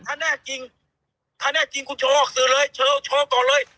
ถ้าแน่จริงถ้าแน่จริงคุณโชคซื้อเลยโชคก่อนเลย